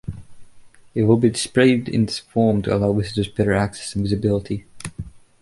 It will be displayed in this form to allow visitors better access and visibility.